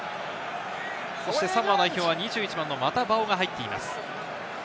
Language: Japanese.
サモア代表は２１番のマタヴァオが入っています。